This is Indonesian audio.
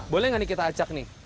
boleh nggak nih kita acak nih